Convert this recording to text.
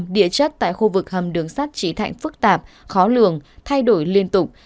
địa chất tại khu vực hầm đường sắt trí thạnh phức tạp khó lường thay đổi liên tục